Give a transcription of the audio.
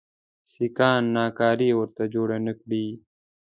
سیکهان ناکراري ورته جوړي نه کړي.